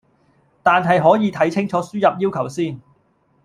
但係可以睇清楚輸入要求先